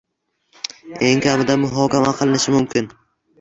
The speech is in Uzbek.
Eng kamida, muhokama qilinishi mumkin.